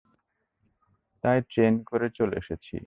তাই ট্রেনে করে চলে এসেছি।